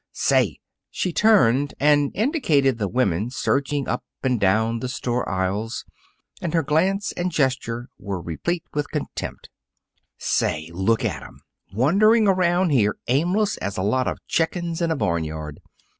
Say " She turned and indicated the women surging up and down the store aisles, and her glance and gesture were replete with contempt. "Say; look at 'em! Wandering around here, aimless as a lot of chickens in a barnyard.